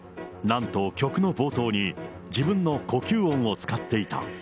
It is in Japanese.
なんと、曲の冒頭に、自分の呼吸音を使っていた。